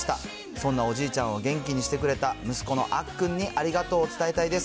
そんなおじいちゃんを元気にしてくれた息子のあっくんに、ありがとうを伝えたいです。